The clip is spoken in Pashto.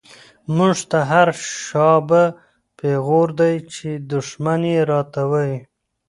مونږ ته هر “شابه” پیغور دۍ، چی دشمن یی راته وایی